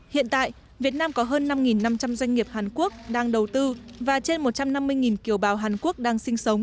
hiện tại việt nam có hơn năm năm trăm linh doanh nghiệp hàn quốc đang đầu tư và trên một trăm năm mươi kiều bào hàn quốc đang sinh sống